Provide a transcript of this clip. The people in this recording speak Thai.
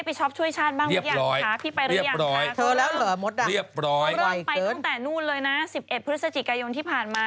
ไปตั้งแต่นู้นเลยนะ๑๑พฤศจิกายนที่ผ่านมา